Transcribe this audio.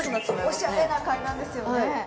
おしゃれな階段ですよね。